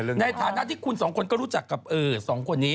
ในฐานะที่คุณสองคนก็รู้จักกับสองคนนี้